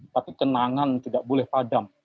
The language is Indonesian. tapi kenangan tidak boleh padam